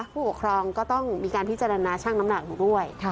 ผู้ปกครองก็ต้องมีการพิจารณาชั่งน้ำหนักด้วย